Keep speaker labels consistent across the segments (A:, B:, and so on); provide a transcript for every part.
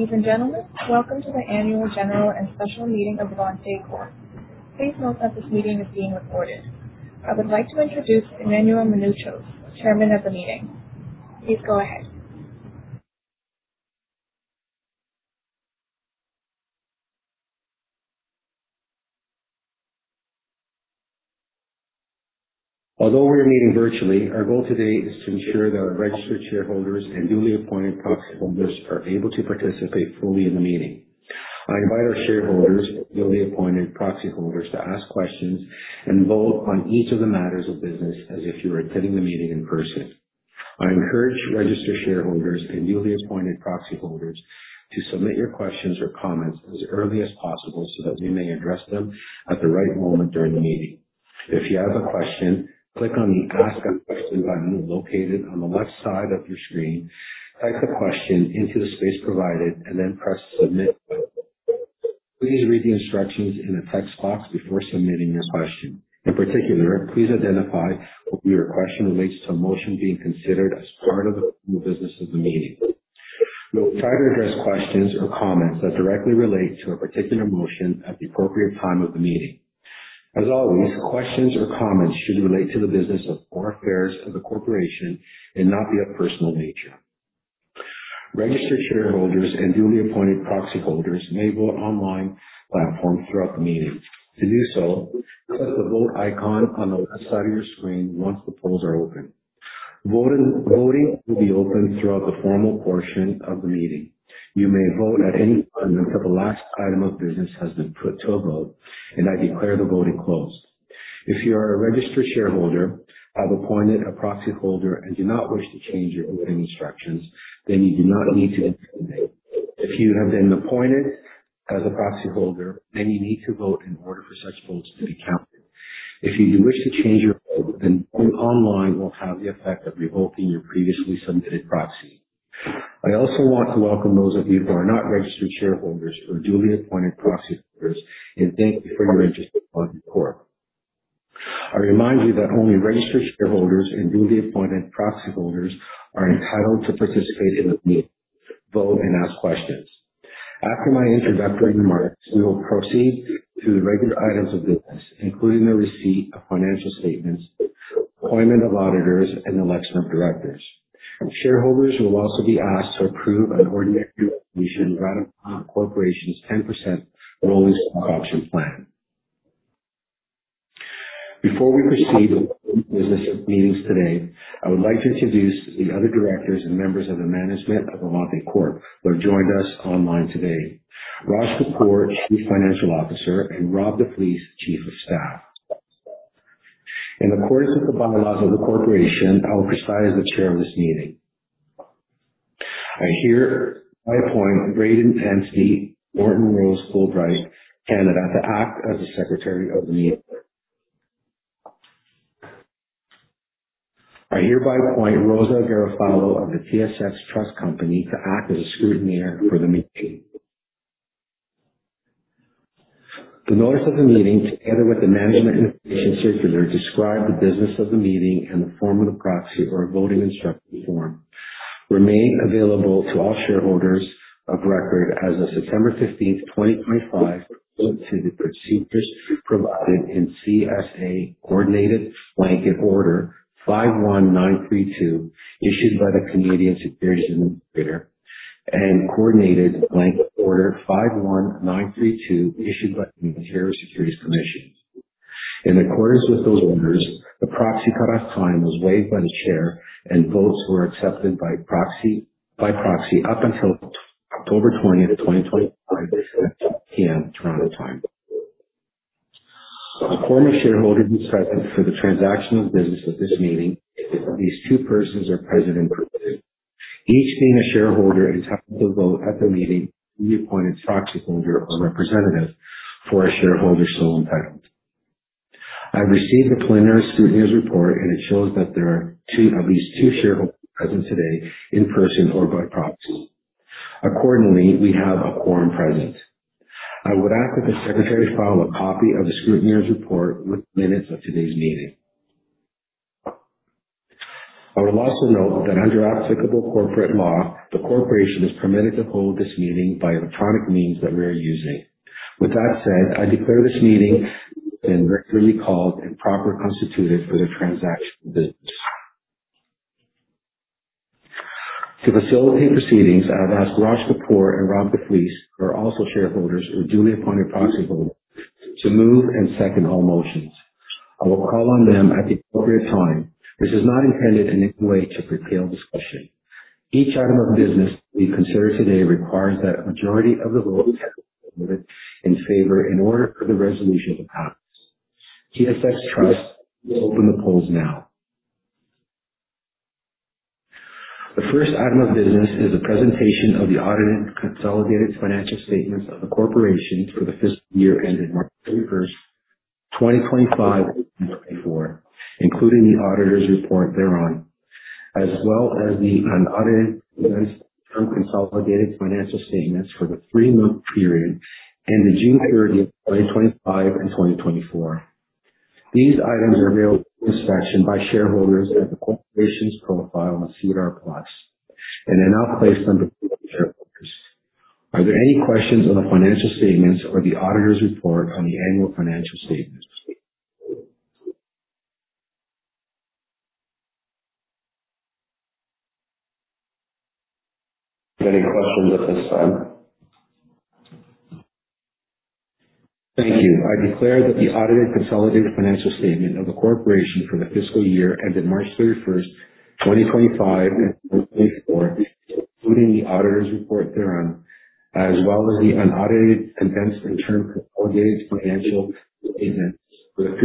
A: Ladies and gentlemen, welcome to the Annual General and Special Meeting of Avante Corp. Please note that this meeting is being recorded. I would like to introduce Emmanuel Mounouchos, Chairman of the meeting. Please go ahead.
B: Although we are meeting virtually, our goal today is to ensure that our registered shareholders and duly appointed proxy holders are able to participate fully in the meeting. I invite our shareholders, duly appointed proxy holders, to ask questions and vote on each of the matters of business as if you were attending the meeting in person. I encourage registered shareholders and duly appointed proxy holders to submit your questions or comments as early as possible so that we may address them at the right moment during the meeting. If you have a question, click on the Ask A Question button located on the left side of your screen, type the question into the space provided, and then press Submit. Please read the instructions in the text box before submitting your question. In particular, please identify whether your question relates to a motion being considered as part of the business of the meeting. We will try to address questions or comments that directly relate to a particular motion at the appropriate time of the meeting. As always, questions or comments should relate to the business or affairs of the corporation and not be of personal nature. Registered shareholders and duly appointed proxy holders may vote online platforms throughout the meeting. To do so, click the vote icon on the left side of your screen once the polls are open. Voting will be open throughout the formal portion of the meeting. You may vote at any time until the last item of business has been put to a vote and I declare the voting closed. If you are a registered shareholder, have appointed a proxy holder, and do not wish to change your voting instructions, then you do not need to indicate. If you have been appointed as a proxy holder, then you need to vote in order for such votes to be counted. If you do wish to change your vote, then voting online will have the effect of revoking your previously submitted proxy. I also want to welcome those of you who are not registered shareholders or duly appointed proxy holders, and thank you for your interest in Avante Corp. I remind you that only registered shareholders and duly appointed proxy holders are entitled to participate in this meeting, vote, and ask questions. After my introductory remarks, we will proceed to the regular items of business, including the receipt of financial statements, appointment of auditors, and election of directors. Shareholders will also be asked to approve an ordinary resolution to rely upon the corporation's 10% rolling stock option plan. Before we proceed with the business of meetings today, I would like to introduce the other directors and members of the management of Avante Corp. who have joined us online today. Raj Kapoor, Chief Financial Officer, and Rob DeFlece, Chief of Staff. In accordance with the bylaws of the corporation, I will preside as the Chair of this meeting. I hereby appoint [Braden Hensley] Norton Rose Fulbright Canada, to act as the Secretary of the meeting. I hereby appoint Rosa Garofalo of the TSX Trust Company to act as scrutineer for the meeting. The notice of the meeting, together with the management information circular, describe the business of the meeting, and the form of the proxy or voting instruction form remain available to all shareholders of record as of September 15th, 2025, pursuant to the procedures provided in CSA Coordinated Blanket Order 51-932, issued by the Canadian Securities Administrators, and Coordinated Blanket Order 51-932, issued by the Ontario Securities Commission. In accordance with those orders, the proxy cut-off time was waived by the chair and votes were accepted by proxy up until October 20th, 2025, at 5:00 P.M. Toronto time. A quorum of shareholders is present for the transaction of business at this meeting. At least two persons are present in person, each being a shareholder entitled to vote at the meeting as the appointed proxy holder or representative for a shareholder so entitled. I have received the preliminary scrutineer's report, and it shows that there are at least two shareholders present today in person or by proxy. Accordingly, we have a quorum present. I would ask that the Secretary file a copy of the scrutineer's report with the minutes of today's meeting. I would also note that under applicable corporate law, the corporation is permitted to hold this meeting by electronic means that we are using. With that said, I declare this meeting regularly called and properly constituted for the transaction of business. To facilitate proceedings, I have asked Raj Kapoor and Rob DeFlece, who are also shareholders or duly appointed proxy holders, to move and second all motions. I will call on them at the appropriate time. This is not intended in any way to curtail discussion. Each item of business to be considered today requires that a majority of the votes have been submitted in favor in order for the resolution to pass. TSX Trust will open the polls now. The first item of business is a presentation of the audited consolidated financial statements of the corporation for the fiscal year ending March 31st, 2025, and 2024, including the auditor's report thereon, as well as the unaudited condensed interim consolidated financial statements for the three-month period ending June 30th, 2025, and 2024. These items are available for inspection by shareholders at the corporation's profile on SEDAR+, and are now placed under Are there any questions on the financial statements or the auditor's report on the annual financial statements?
C: No questions at this time.
B: Thank you. I declare that the audited consolidated financial statement of the corporation for the fiscal year ended March 31st, 2025, and 2024, including the auditor's report thereon, as well as the unaudited, condensed and interim consolidated financial statements for the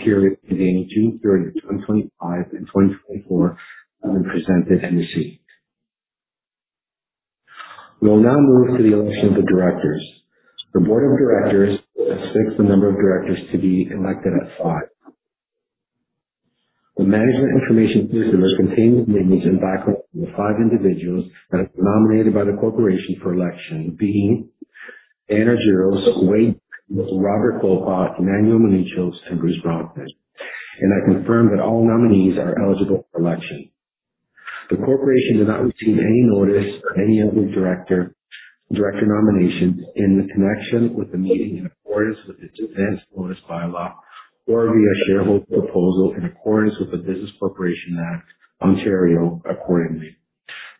B: period beginning June 30, 2025 and 2024, have been presented and received. We will now move to the election of the directors. The Board of Directors fixed the number of directors to be elected at five. The management information circular contains the names and background of the five individuals that have been nominated by the corporation for election, being Dan Argiros, Wade Burton, Robert Klopot, Emmanuel Mounouchos, and Bruce Bronfman. I confirm that all nominees are eligible for election. The corporation has not received any notice of any other director nominations in connection with the meeting in accordance with its advance notice bylaw or via shareholder proposal in accordance with the Business Corporations Act, Ontario accordingly.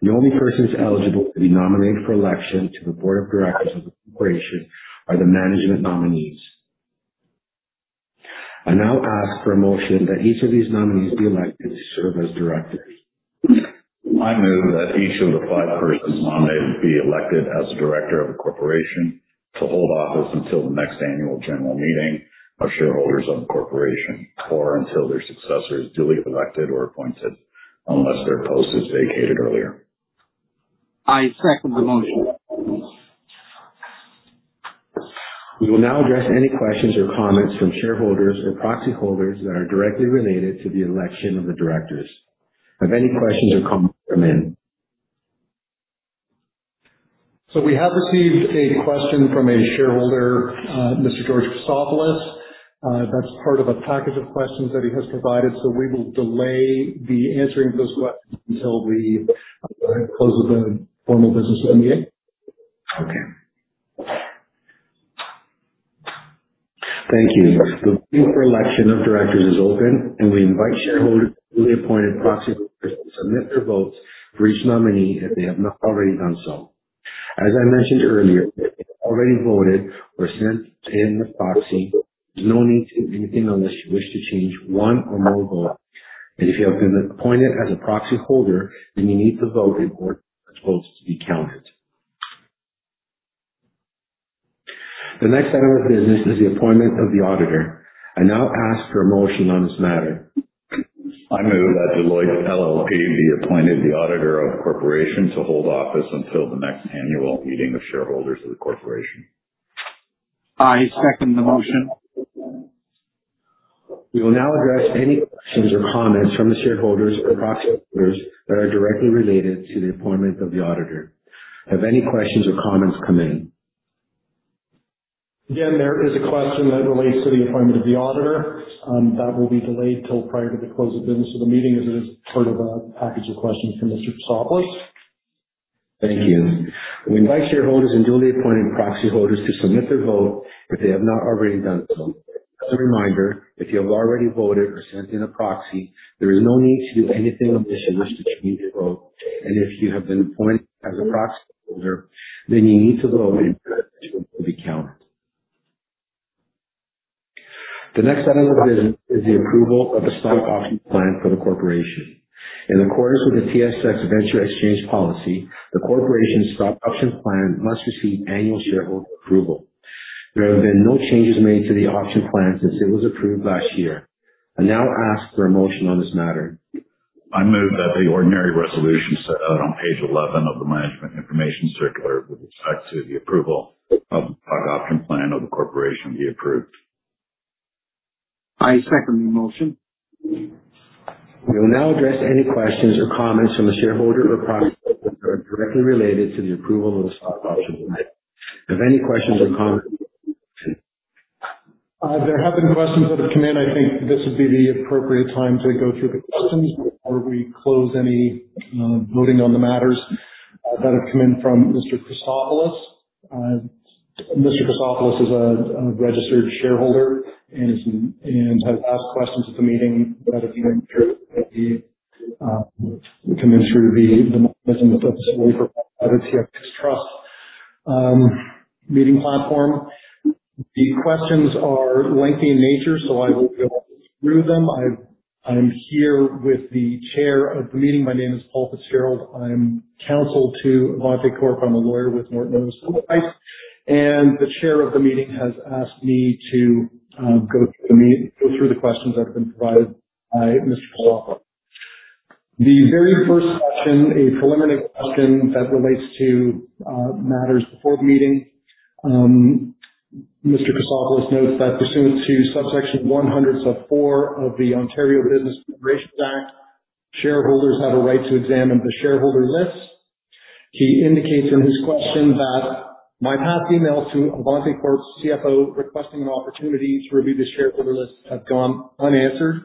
B: The only persons eligible to be nominated for election to the Board of Directors of the corporation are the management nominees. I now ask for a motion that each of these nominees be elected to serve as directors.
D: I move that each of the five persons nominated be elected as a director of the corporation to hold office until the next Annual General Meeting of Shareholders of the corporation or until their successors duly elected or appointed, unless their post is vacated earlier.
E: I second the motion.
B: We will now address any questions or comments from shareholders or proxy holders that are directly related to the election of the directors. Have any questions or comments come in?
C: We have received a question from a shareholder, Mr. George Christopoulos. That's part of a package of questions that he has provided, so we will delay the answering of those questions until the close of the formal business of the meeting.
B: Okay. Thank you. The meeting for election of directors is open, and we invite shareholders and duly appointed proxy holders to submit their votes for each nominee if they have not already done so. As I mentioned earlier, if you have already voted or sent in the proxy, there's no need to do anything unless you wish to change one or more votes. If you have been appointed as a proxy holder, then you need to vote in order for your votes to be counted. The next item of business is the appointment of the auditor. I now ask for a motion on this matter.
D: I move that Deloitte LLP be appointed the auditor of the corporation to hold office until the next Annual Meeting of Shareholders of the corporation.
E: I second the motion.
B: We will now address any questions or comments from the shareholders or proxy holders that are directly related to the appointment of the auditor. Have any questions or comments come in?
C: Again, there is a question that relates to the appointment of the auditor. That will be delayed till prior to the close of business of the meeting, as it is part of a package of questions from Mr. Christopoulos.
B: Thank you. We invite shareholders and duly appointed proxy holders to submit their vote if they have not already done so. As a reminder, if you have already voted or sent in a proxy, there is no need to do anything unless you wish to change your vote. If you have been appointed as a proxy holder, then you need to vote in order for it to be counted. The next item of business is the approval of the stock option plan for the corporation. In accordance with the TSX Venture Exchange policy, the corporation's stock option plan must receive annual shareholder approval. There have been no changes made to the option plan since it was approved last year. I now ask for a motion on this matter.
D: I move that the ordinary resolution set out on page 11 of the management information circular with respect to the approval of the stock option plan of the corporation be approved.
E: I second the motion.
B: We will now address any questions or comments from the shareholder or proxy holders that are directly related to the approval of the stock option plan. Have any questions or comments come in?
C: There have been questions that have come in. I think this would be the appropriate time to go through the questions before we close any voting on the matters that have come in from Mr. Christopoulos. Mr. Christopoulos is a registered shareholder and has asked questions at the meeting that have been put to the, which we can ensure the mechanism that's available on other TSX Trust meeting platform. The questions are lengthy in nature, so I will go through them. I'm here with the chair of the meeting. My name is Paul Fitzgerald. I'm counsel to Avante Corp. I'm a lawyer with Norton Rose Fulbright, and the Chair of the meeting has asked me to go through the questions that have been provided by Mr. Christopoulos. The very first question, a preliminary question that relates to matters before the meeting. Mr. Christopoulos notes that pursuant to subsection 100 sub-4 of the Ontario Business Corporations Act, shareholders have a right to examine the shareholder list. He indicates in his question that, "My past emails to Avante Corp.'s CFO requesting an opportunity to review the shareholder list have gone unanswered.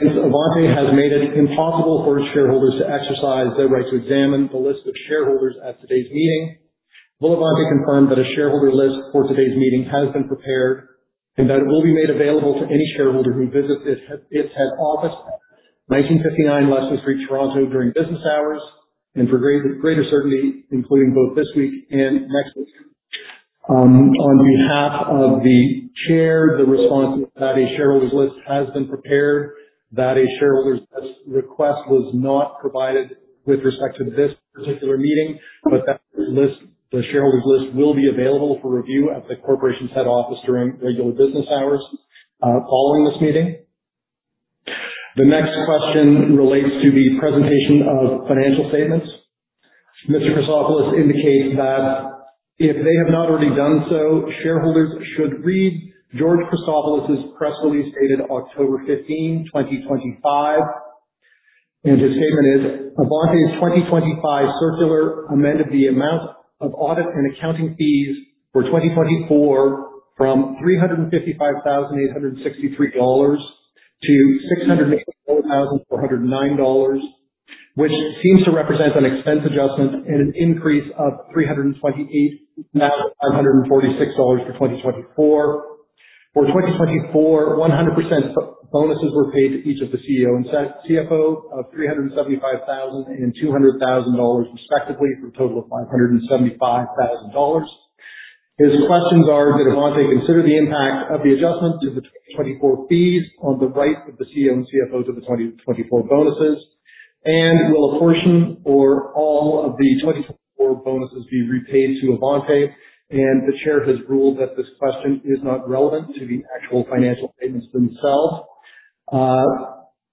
C: Since Avante has made it impossible for its shareholders to exercise their right to examine the list of shareholders at today's meeting, will Avante confirm that a shareholder list for today's meeting has been prepared and that it will be made available to any shareholder who visits its head office, 1959 Leslie Street, Toronto, during business hours, and for greater certainty, including both this week and next week? On behalf of the Chair, the response is that a shareholders list has been prepared, that a shareholders list request was not provided with respect to this particular meeting, but that the shareholders list will be available for review at the corporation's head office during regular business hours following this meeting. The next question relates to the presentation of financial statements. Mr. Christopoulos indicates that if they have not already done so, shareholders should read George Christopoulos's press release dated October 15, 2025. His statement is, "Avante's 2025 circular amended the amount of audit and accounting fees for 2024 from 355,863-684,409 dollars, which seems to represent an expense adjustment and an increase of 328,546 dollars for 2024. For 2024, 100% bonuses were paid to each of the CEO and CFO of 375,000 and 200,000 dollars respectively, for a total of 575,000 dollars." His questions are, "Did Avante consider the impact of the adjustment to the 2024 fees on the right of the CEO and CFO to the 2024 bonuses? Will a portion or all of the 2024 bonuses be repaid to Avante? The chair has ruled that this question is not relevant to the actual financial statements themselves.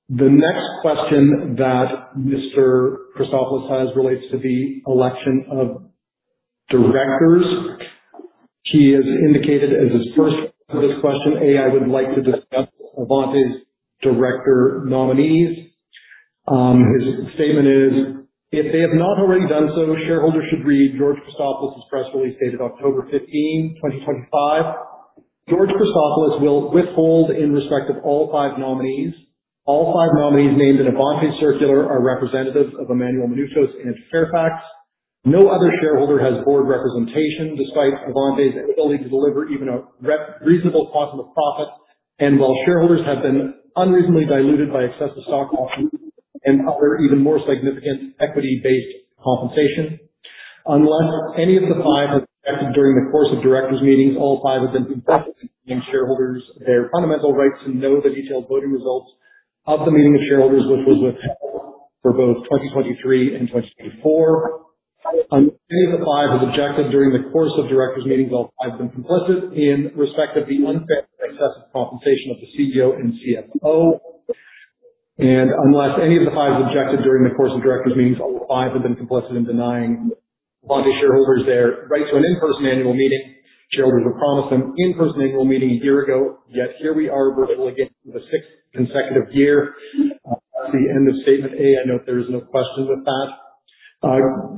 C: The next question that Mr. Christopoulos has relates to the election of directors. He has indicated as his first question, A, "I would like to discuss Avante's director nominees." His statement is, "If they have not already done so, shareholders should read George Christopoulos's press release dated October 15, 2025. George Christopoulos will withhold in respect of all five nominees. All five nominees named in Avante's circular are representatives of Emmanuel Mounouchos and Fairfax. No other shareholder has board representation despite Avante's ability to deliver even a reasonable quantum of profit, and while shareholders have been unreasonably diluted by excessive stock options and other even more significant equity-based compensation. Unless any of the five have objected during the course of directors' meetings, all five have been complicit in denying shareholders their fundamental right to know the detailed voting results of the meeting of shareholders, which was withheld for both 2023 and 2024. Unless any of the five has objected during the course of directors' meetings, all five have been complicit in respect of the unfair and excessive compensation of the CEO and CFO. Unless any of the five have objected during the course of directors' meetings, all five have been complicit in denying Avante shareholders their right to an in-person annual meeting. Shareholders were promised an in-person annual meeting a year ago, yet here we are virtually again for the sixth consecutive year. That's the end of statement A. I note there is no question with that.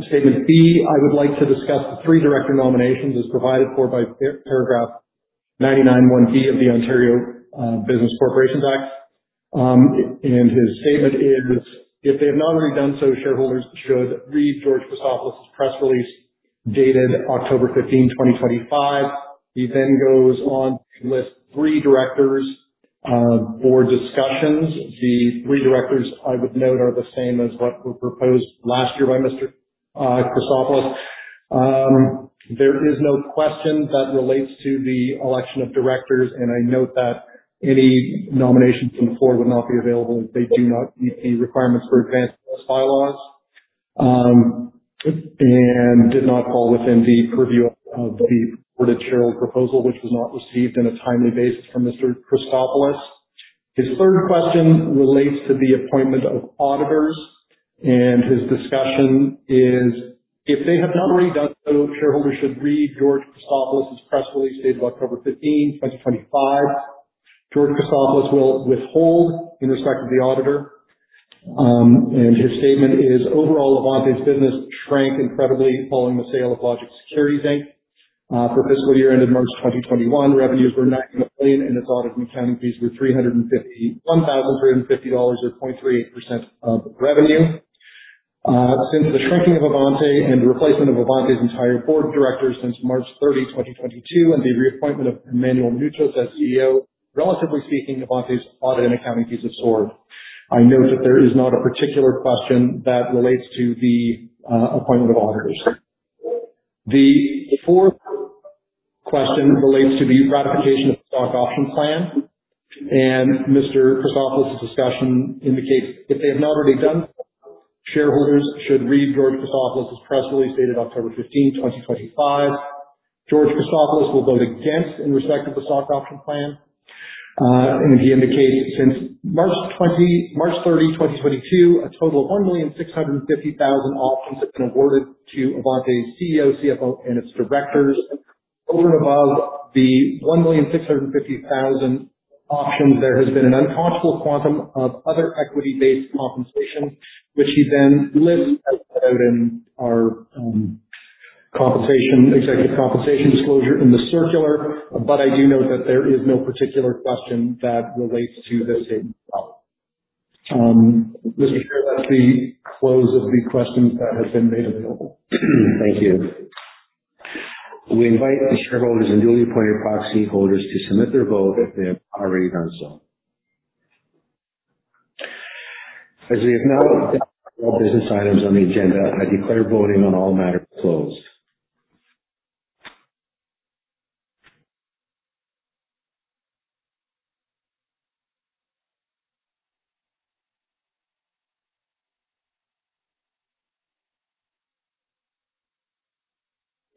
C: Statement B, "I would like to discuss the three director nominations as provided for by paragraph 99 1B of the Ontario Business Corporations Act." His statement is, "If they have not already done so, shareholders should read George Christopoulos's press release dated October 15, 2025." He then goes on to list three directors for discussions. The three directors, I would note, are the same as what were proposed last year by Mr. Christopoulos. There is no question that relates to the election of directors, and I note that any nominations from the floor would not be available as they do not meet the requirements per Avante Corp. bylaws, and did not fall within the purview of the reported shareholder proposal, which was not received in a timely basis from Mr. Christopoulos. His third question relates to the appointment of auditors, and his discussion is, "If they have not already done so, shareholders should read George Christopoulos's press release dated October 15, 2025. George Christopoulos will withhold in respect of the auditor." His statement is, "Overall, Avante's business shrank incredibly following the sale of Logixx Security Inc. For fiscal year ended March 2021, revenues were [92.5 million], and its audit and accounting fees were 351,350 dollars, or 0.38% of revenue. Since the shrinking of Avante and the replacement of Avante's entire Board of Directors since March 30, 2022, and the reappointment of Emmanuel Mounouchos as CEO, relatively speaking, Avante's audit and accounting fees have soared." I note that there is not a particular question that relates to the appointment of auditors. The fourth question relates to the ratification of the stock option plan, and Mr. Christopoulos's discussion indicates, "If they have not already done so, shareholders should read George Christopoulos's press release dated October 15, 2025. George Christopoulos will vote against in respect of the stock option plan." He indicates, "Since March 30, 2022, a total of 1,650,000 options have been awarded to Avante's CEO, CFO, and its directors." Over and above the 1,650,000 options, there has been an unconscionable quantum of other equity-based compensation, which he then lists as put out in our executive compensation disclosure in the circular. I do note that there is no particular question that relates to this item. Mr. Chair, that's the close of the questions that have been made available.
B: Thank you. We invite the shareholders and duly appointed proxy holders to submit their vote if they have not already done so. As we have now discussed all business items on the agenda, I declare voting on all matters closed.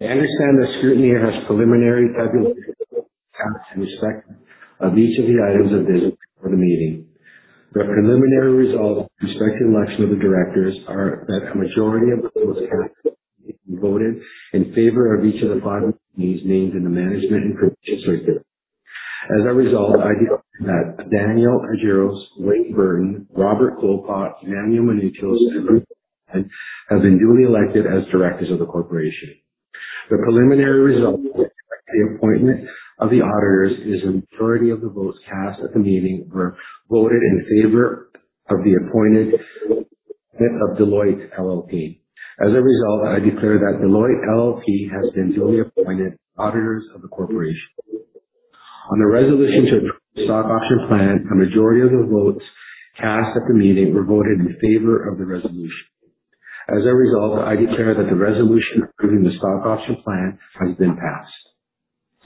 B: I understand that the scrutineer has preliminary tabulations in respect of each of the items of business before the meeting. The preliminary results respecting election of the directors are that a majority of the votes cast at the meeting voted in favor of each of the five entities named in the management information circular. As a result, I declare that Daniel Argiros, Wade Burton, Robert Klopot, Emmanuel Mounouchos, and Bruce Bronfman have been duly elected as directors of the corporation. The preliminary result with respect to the appointment of the auditors is a majority of the votes cast at the meeting were voted in favor of the appointment of Deloitte LLP. As a result, I declare that Deloitte LLP has been duly appointed auditors of the corporation. On the resolution to approve the stock option plan, a majority of the votes cast at the meeting were voted in favor of the resolution. As a result, I declare that the resolution approving the stock option plan has been passed.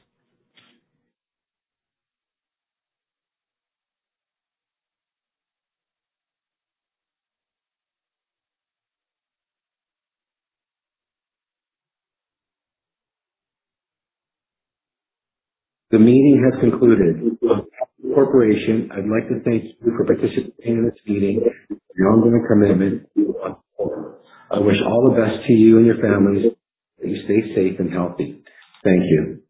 B: The meeting has concluded. On behalf of the corporation, I'd like to thank you for participating in this meeting. Your involvement and commitment is much appreciated. I wish all the best to you and your families. Please stay safe and healthy. Thank you.